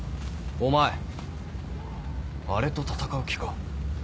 お前あれと戦う気か？